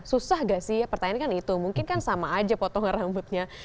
susah gak sih pertanyaan kan itu mungkin kan sama aja potongan rambutnya